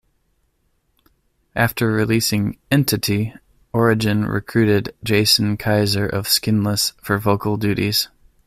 After releasing "Entity", Origin recruited Jason Keyser of Skinless for vocal duties.